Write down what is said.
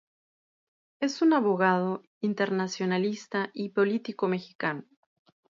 Es un abogado, internacionalista y político mexicano.